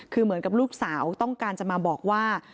คือเหมือนกับลูกสาวต้องการจะมาบอกว่า